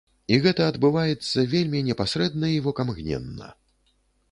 І гэта адбываецца вельмі непасрэдна і вокамгненна.